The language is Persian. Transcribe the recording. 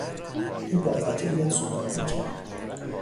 او با قاطعیت صحبت میکرد.